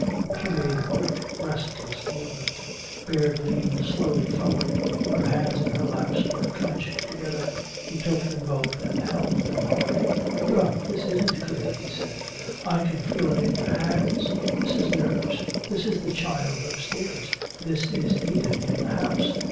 She made a quick restless movement. Baird leaned slowly forward. Her hands in her lap were clenched together. He took them both and held them hard. "No, this isn't clear," he said. "I can feel it in your hands. This is nerves. This is the child upstairs. This is Edith in the house.